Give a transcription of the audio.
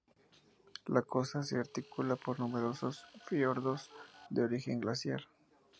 La costa se articula por numerosos fiordos de origen glaciar.